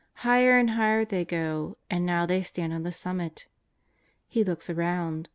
Higher and higher they go, and now they stand on the summit. He looks around.